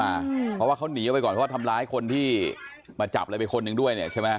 เพราะว่าเขาหนีไปก่อนเพราะทำลายคนที่มาจับเลยเป็นคนหนึ่งด้วย